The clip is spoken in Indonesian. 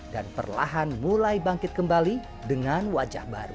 dan perlahan mulai bangkit kembali dengan wajah baru